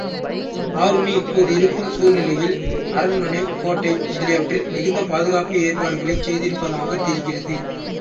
ஆருணி, இப்போது இருக்கும் சூழ்நிலையில் அரண்மனை, கோட்டை முதலியவற்றில் மிகுந்த பாதுகாப்பு ஏற்பாடுகளைச் செய்திருப்பதாகத் தெரிகிறது.